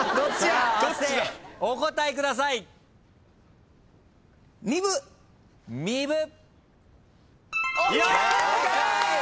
亜生お答えください！正解！